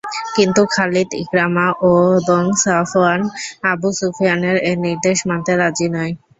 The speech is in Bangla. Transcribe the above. কিন্তু খালিদ, ইকরামা এবং সফওয়ান আবু সুফিয়ানের এ নির্দেশ মানতে রাজি নয়।